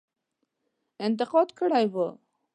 انتقاد کړی وو.